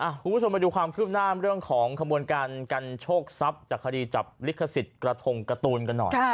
คุณผู้ชมไปดูความคืบหน้าเรื่องของขบวนการกันโชคทรัพย์จากคดีจับลิขสิทธิ์กระทงการ์ตูนกันหน่อย